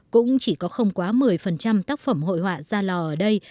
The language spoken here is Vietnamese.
cũng chỉ có không quá một mươi tác phẩm hội họa ra lò ở đây